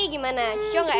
gimana cocok gak ya